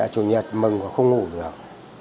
chủ nhật mừng và không ngủ được